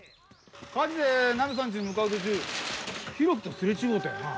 火事でナミさんちに向かう途中浩喜とすれ違うたよな？